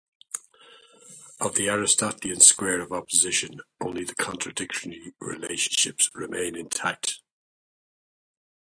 Of the Aristotelian square of opposition, only the contradictory relationships remain intact.